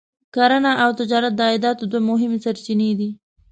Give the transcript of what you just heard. کرنه او تجارت د عایداتو دوه مهمې سرچینې دي.